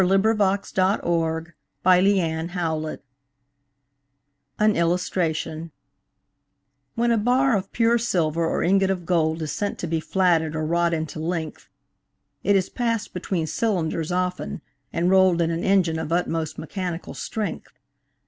William Cowper The Flatting Mill An Illustration WHEN a bar of pure silver or ingot of gold Is sent to be flatted or wrought into length, It is pass'd between cylinders often, and roll'd In an engine of utmost mechanical strength.